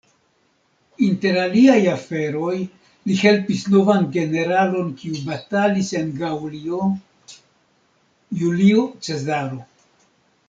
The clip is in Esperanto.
Inter aliaj aferoj, li helpis novan generalon, kiu batalis en Gaŭlio: Julio Cezaro.